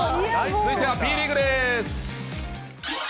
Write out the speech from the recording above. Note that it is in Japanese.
続いてはＢリーグです。